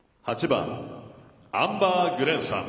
８番アンバー・グレンさん